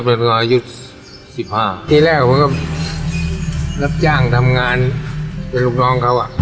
เป็นตอนอายุ๑๕ที่แรกผมก็รับจ้างทำงานเป็นลูกน้องเขาอ่ะ